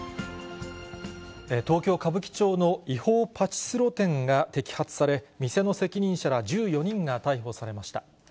東京・歌舞伎町の違法パチスロ店が摘発され、店の責任者ら１４人が逮捕されました。